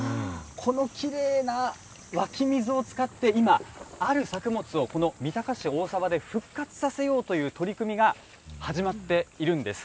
このきれいな湧き水を使って今、ある作物をこの三鷹市大沢で復活させようという取り組みが始まっているんです。